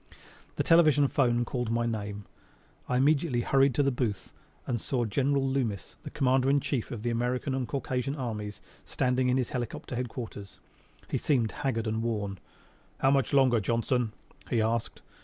The television 'phone called my name. I immediately hurried to the booth and saw General Loomis, the Commander in Chief of the American and Caucasian Armies, standing in his helicopter headquarters. He seemed haggard and worn. "How much longer, Johnson?" he asked.